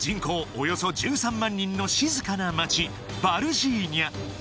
およそ１３万人の静かな街ヴァルジーニャ